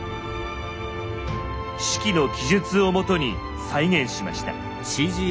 「史記」の記述をもとに再現しました。